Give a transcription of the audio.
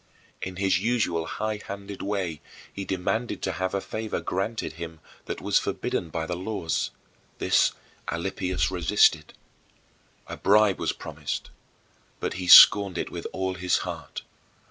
In his usual highhanded way he demanded to have a favor granted him that was forbidden by the laws. This Alypius resisted. A bribe was promised, but he scorned it with all his heart.